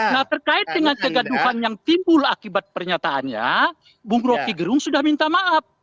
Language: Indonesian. nah terkait dengan kegaduhan yang timbul akibat pernyataannya bung rocky gerung sudah minta maaf